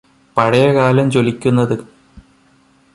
പഴയ കാലം ജ്വലിക്കുന്നതു